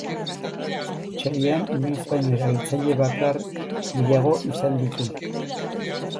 Otsailean, inoiz baino erabiltzaile bakar gehiago izan ditu.